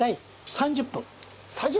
３０分！？